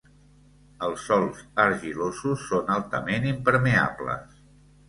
Els sòls argilosos són altament impermeables.